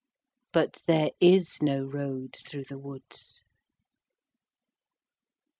... But there is no road through the woods.